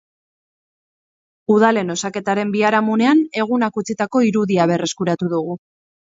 Udalen osaketaren biharamunean egunak utzitako irudia berreskuratu dugu.